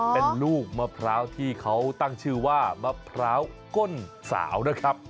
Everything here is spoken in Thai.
เป็นลูกมะพร้าวที่เขาตั้งชื่อว่ามะพร้าวก้นสาวนะครับ